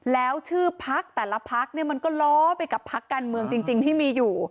แล้วชื่อพักแต่ละพักเนี่ยมันก็ล้อไปกับพักการเมืองจริงที่มีอยู่